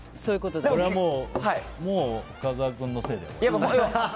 もう深澤君のせいだよ。